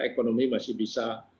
ekonomi masih bisa